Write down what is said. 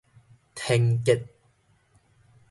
天 kiat